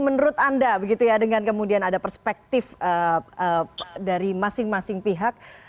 menurut anda begitu ya dengan kemudian ada perspektif dari masing masing pihak